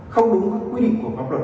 không đúng với quy định của ngốc lực